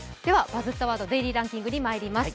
「バズったワードデイリーランキング」にまいります。